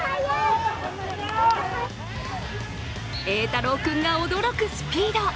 瑛太郎君が驚くスピード。